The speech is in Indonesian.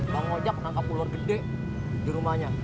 bang ojak menangkap ular gede di rumahnya